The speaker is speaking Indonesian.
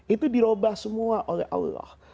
itu dirubah semua oleh allah